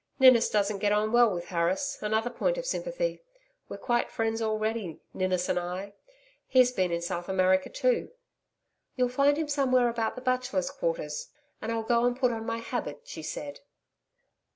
Ninnis doesn't get on well with Harris another point of sympathy. We're quite friends already. Ninnis and I he's been in South America, too.' 'You'll find him somewhere about the Bachelors' Quarters, and I'll go and put on my habit,' she said.